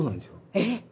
えっ！